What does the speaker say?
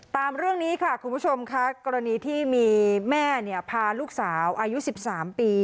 ตามเรื่องนี้ค่ะคุณผู้ชมค่ะกรณีที่มีแม่พาลูกสาวอายุ๑๓ปี